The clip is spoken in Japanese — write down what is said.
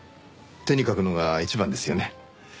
手に書くのが一番ですよね。